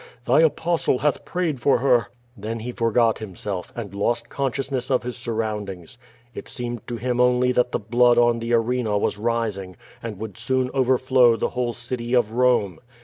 Thy Apostle hath i)rayed for her.'' Then he foigot himself, and lost consciousness of his surroundings. It seemed to him only that the blood on the 4i6 Q^O VADIS. arena was rising, and would soon overflow the whole city of Konie.